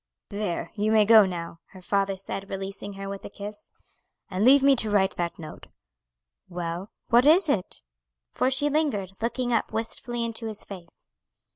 "There, you may go now," her father said, releasing her with a kiss, "and leave me to write that note. Well, what is it?" for she lingered, looking up wistfully into his face.